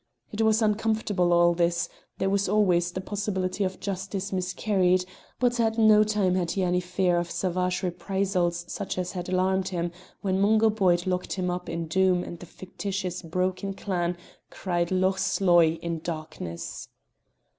It was uncomfortable all this; there was always the possibility of justice miscarried; but at no time had he any fear of savage reprisals such as had alarmed him when Mungo Boyd locked him up in Doom and the fictitious broken clan cried "Loch Sloy!" in darkness.